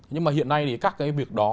nhưng mà hiện nay thì các cái việc đó